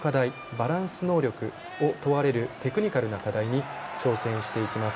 バランス能力を問われるテクニカルな課題に挑戦していきます。